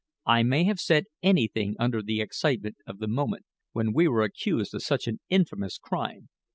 "I may have said anything under the excitement of the moment when we were accused of such an infamous crime.